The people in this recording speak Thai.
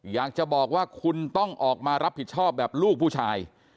อยากจะบอกว่าคุณต้องออกมารับผิดชอบแบบลูกผู้ชาย